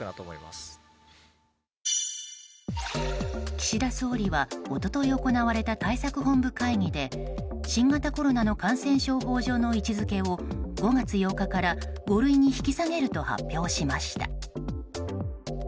岸田総理は一昨日行われた対策本部会議で新型コロナの感染症法上の位置づけを５月８日から五類に引き下げると発表しました。